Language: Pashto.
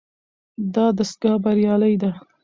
دا دستګاه بریالۍ ده.